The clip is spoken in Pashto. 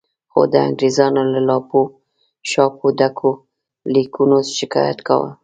خو د انګریزانو له لاپو شاپو ډکو لیکونو شکایت کاوه.